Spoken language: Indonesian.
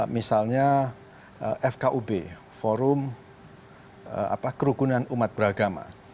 misalnya fkub forum kerukunan umat beragama